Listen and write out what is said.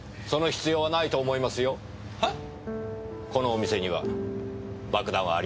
このお店には爆弾はありません。